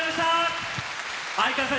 相川さん